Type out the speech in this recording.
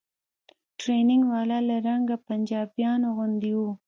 ټرېننگ والا له رنګه پنجابيانو غوندې و.